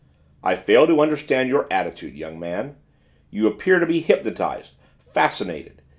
"I fail to understand your attitude, young man. You appear to be hypnotised, fascinated.